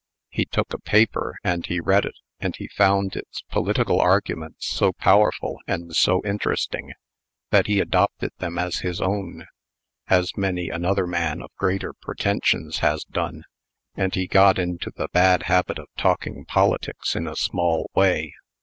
He took a paper, and he read it, and he found its political arguments so powerful, and so interesting, that he adopted them as his own as many another man of greater pretensions has done and he got into the bad habit of talking politics in a small way.